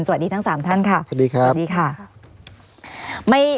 สวัสดีทั้ง๓ท่านค่ะสวัสดีครับสวัสดีค่ะ